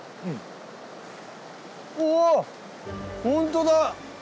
ほんとだ！